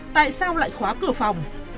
tại sao lại khóa cửa phòng